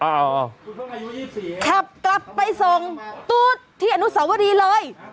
ผมต้องอายุอีจสี่ขับกลับไปส่งตู้ดที่อนุสาวรีเลย